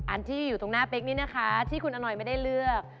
อันที่อยู่ตรงหน้าเป๊กนี่นะคะที่คุณอนอยไม่ได้เลือก